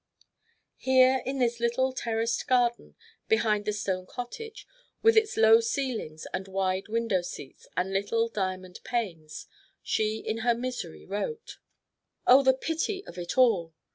Here in this little, terraced garden, behind the stone cottage with its low ceilings and wide window seats and little, diamond panes, she in her misery wrote: "Oh, the pity of it all!